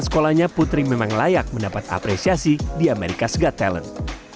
sekolahnya putri memang layak mendapat apresiasi di amerika suga talent